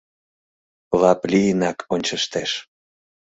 Лап лийынак ончыштеш.